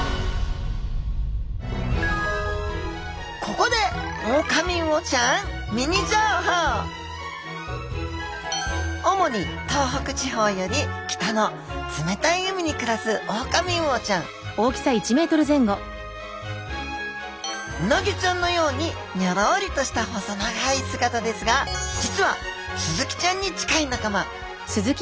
ここで主に東北地方より北の冷たい海に暮らすオオカミウオちゃんウナギちゃんのようにニョロリとした細長い姿ですが実はスズキちゃんに近い仲間。